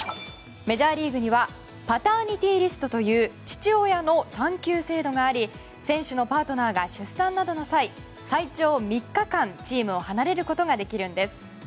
メジャーリーグにはパターにティリスとという父親の産休制度があり船首のパートナーが出産などの際、最長３日間チームを離れることができるんです。